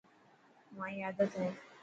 مائي آدت هي.